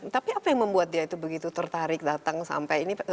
tapi apa yang membuat dia itu begitu tertarik datang sampai ini